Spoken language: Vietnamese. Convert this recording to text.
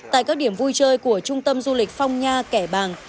tại các điểm vui chơi của trung tâm du lịch phong nha kẻ bàng